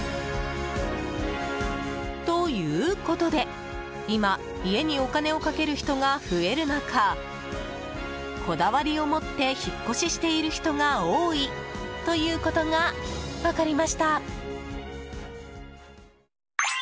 ということで、今家にお金をかける人が増える中こだわりを持って引っ越ししている人が多いということが分かりました。